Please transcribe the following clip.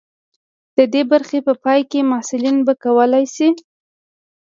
د دې برخې په پای کې محصلین به وکولی شي.